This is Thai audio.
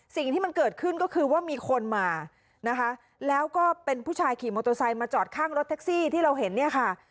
สิ่งที่มันเกิดขึ้นก็คือว่ามีคนมานะคะแล้วก็เป็นผู้ชายขี่มอเตอร์ไซค์มาจอดข้างรถแท็กซี่ที่เราเห็นเนี่ยค่ะ